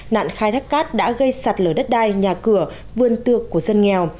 nạn khai thác cát đã gây sạt lở đất đai nhà cửa vườn tược của dân nghèo